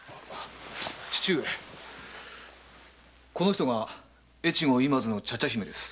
父上この人が越後今津の茶々姫です。